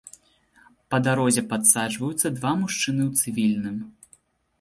Па дарозе падсаджваюцца два мужчыны ў цывільным.